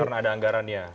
karena ada anggarannya